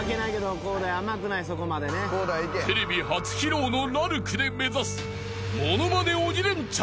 ［テレビ初披露のラルクで目指す］